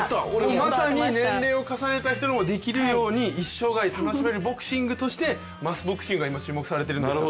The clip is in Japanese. まさに年齢を重ねた人でもできるように、一生涯楽しめるボクシングとしてマスボクシングが今注目されているんです。